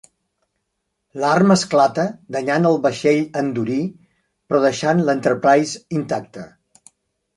L'arma esclata, danyant el vaixell andorí, però deixant "l'Enterprise" intacte.